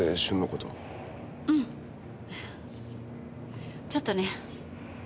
うんちょっとね。